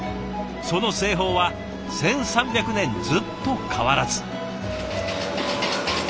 その製法は１，３００年ずっと変わらず。